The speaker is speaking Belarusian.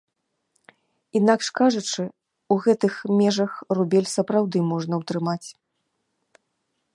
Інакш кажучы, у гэтых межах рубель сапраўды можна ўтрымаць.